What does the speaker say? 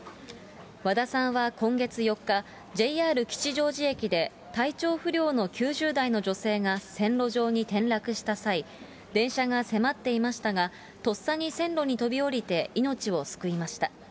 和田さんは今月４日、ＪＲ吉祥寺駅で、体調不良の９０代の女性が線路上に転落した際、電車が迫っていましたが、とっさに線路に飛び降りて命を救いました。